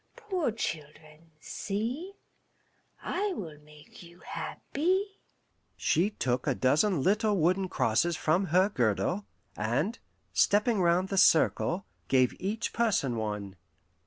Poor children, see, I will make you happy." She took a dozen little wooden crosses from her girdle, and, stepping round the circle, gave each person one.